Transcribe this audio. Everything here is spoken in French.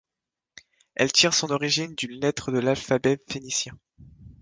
Elle tire son origine d'une lettre de l'alphabet phénicien.